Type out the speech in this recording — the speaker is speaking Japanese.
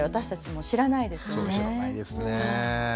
そう知らないですねえ。